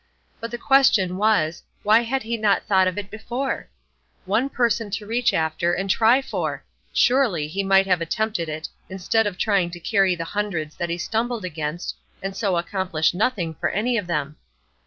But the question was, Why had he not thought of it before? One person to reach after, and try for! surely, he might have attempted it, instead of trying to carry the hundreds that he stumbled against, and so accomplish nothing for any of them.